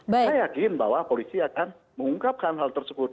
saya yakin bahwa polisi akan mengungkapkan hal tersebut